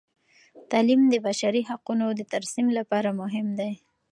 تعلیم د بشري حقونو د ترسیم لپاره مهم دی.